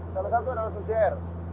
salah satu adalah susier